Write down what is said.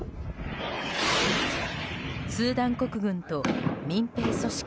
スーダン国軍と民兵組織